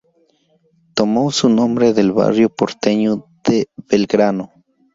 Tomó su nombre del barrio porteño de Belgrano.